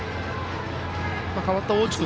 代わった大内君